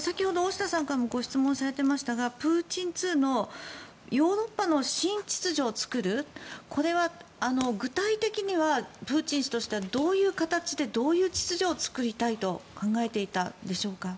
先ほど大下さんからもご質問されていましたがプーチン２のヨーロッパの新秩序を作るこれは具体的にはプーチン氏としてはどういう形でどういう秩序を作りたいと考えていたんでしょうか。